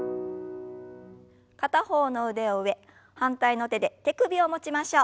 片方の腕を上反対の手で手首を持ちましょう。